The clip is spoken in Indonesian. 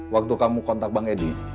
waktu kamu kontak bang edi